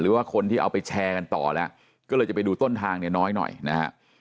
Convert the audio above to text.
หรือว่าคนที่เอาไปแชร์กันต่อแล้วก็เลยจะไปดูต้นทางเนี่ยน้อยหน่อยนะฮะ